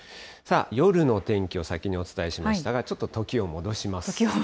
夜の天気を先にお伝えしましたが、ちょっと時を戻します。